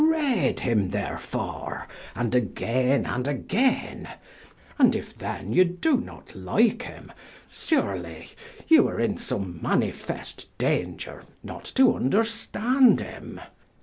Reade him, therefore and againe and againe. And if then you doe not like him surely you are in some manifest danger, not to vnderstand him.